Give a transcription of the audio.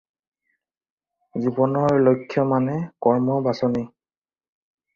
জীৱনৰ লক্ষ্য মানে কৰ্ম বাছনি।